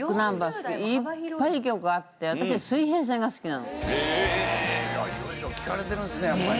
いっぱいいい曲があって私は色々聴かれてるんですねやっぱりね。